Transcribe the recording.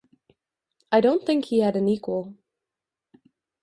I don't think he had an equal.